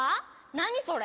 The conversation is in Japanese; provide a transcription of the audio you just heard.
なにそれ？